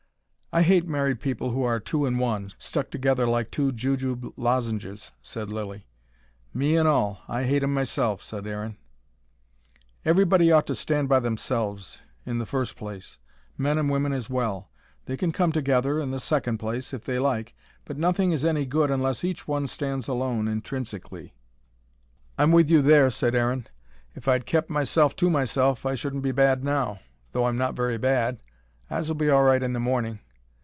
"I hate married people who are two in one stuck together like two jujube lozenges," said Lilly. "Me an' all. I hate 'em myself," said Aaron. "Everybody ought to stand by themselves, in the first place men and women as well. They can come together, in the second place, if they like. But nothing is any good unless each one stands alone, intrinsically." "I'm with you there," said Aaron. "If I'd kep' myself to myself I shouldn't be bad now though I'm not very bad. I s'll be all right in the morning.